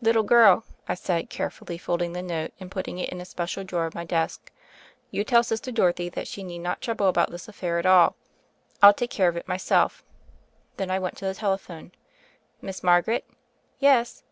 "Little girl," I said, carefully folding the note and putting it in a special drawer of my desk, "you tell Sister Dorothy that she need not trouble about this aifair at all: I'll take care of it myself." Then I went to the telephone. "Miss Margaret?" "Yes."